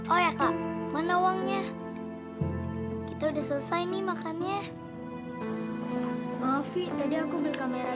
oh ya kak mana uangnya kita udah selesai nih makannya maaf fi tadi aku beli kamera